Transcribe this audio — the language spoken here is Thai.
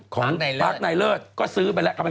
ของปาร์คไนเลิศก็ซื้อไปแล้ว